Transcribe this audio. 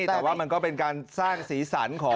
แต่ว่ามันก็เป็นการสร้างสีสันของ